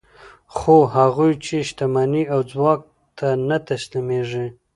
خو هغوی چې شتمنۍ او ځواک ته نه تسلیمېږي